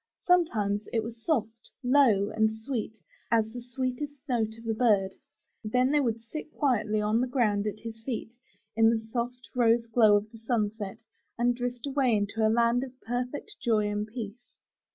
Sometimes it was soft, low and sweet as the sweetest note of a bird; then they would sit quietly on the ground at his feet, in the 352 UP ONE PAIR OF STAIRS soft rose glow of the sunset, and drift away into a land of perfect joy and peace.